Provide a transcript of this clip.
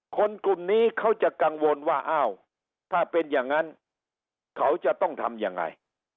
คนกลุ่มนี้เขาจะกังวลว่าอ้าวถ้าเป็นอย่างนั้นเขาจะต้องทำยังไง